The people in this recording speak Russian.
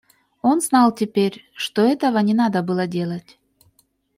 Он знал теперь, что этого не надо было делать.